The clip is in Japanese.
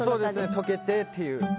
とけてっていう。